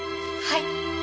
はい！